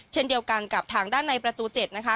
เช่นเดียวกันกับทางด้านในประตู๗นะคะ